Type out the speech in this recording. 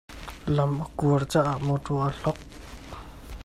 Lam a kuar caah mawtaw aa hlok.